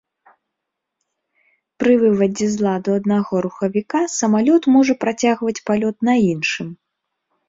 Пры вывадзе з ладу аднаго рухавіка самалёт можа працягваць палёт на іншым.